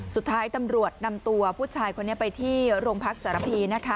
สุดท้ายตำรวจนำตัวผู้ชายไปที่โรงพักษ์สารพี